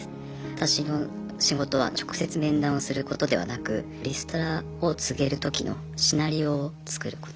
私の仕事は直接面談をすることではなくリストラを告げるときのシナリオを作ること。